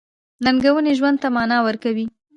• ننګونې ژوند ته مانا ورکوي.